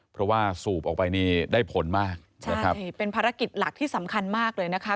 เพราะว่าสูบออกไปนี่ได้ผลมากใช่เป็นภารกิจหลักที่สำคัญมากเลยนะคะ